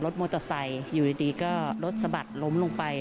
มอเตอร์ไซค์อยู่ดีก็รถสะบัดล้มลงไป